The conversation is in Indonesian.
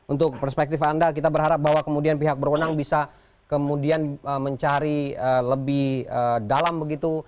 untuk perspektif anda kita berharap bahwa kemudian pihak berwenang bisa kemudian mencari lebih dalam begitu